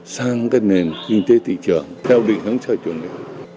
sang cái nền kinh tế thị trường theo định hướng sở chủ nghĩa